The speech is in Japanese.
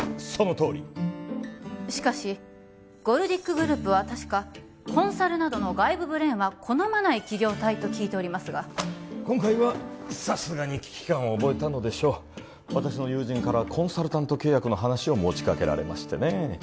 そのとおりしかしゴルディックグループは確かコンサルなどの外部ブレーンは好まない企業体と聞いておりますが今回はさすがに危機感を覚えたのでしょう私の友人からコンサルタント契約の話を持ちかけられましてね